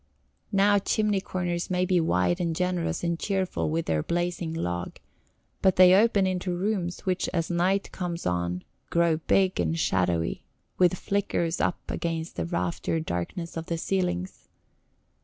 Now chimney corners may be wide and generous and cheerful with their blazing log, but they open into rooms which as night comes on grow big and shadowy, with flickers up against the raftered darkness of the ceilings.